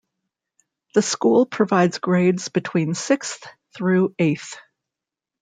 The school provides grades between sixth through eighth.